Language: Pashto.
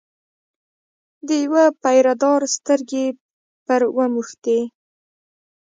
د یوه پیره دار سترګې پر وموښتې.